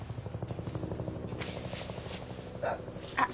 あっ。